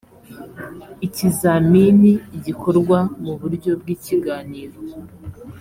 ikizamini gikorwa mu buryo bw ikiganiro